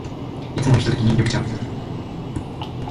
いつものひとときに、緑茶。